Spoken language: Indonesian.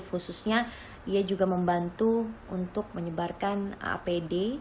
khususnya ia juga membantu untuk menyebarkan apd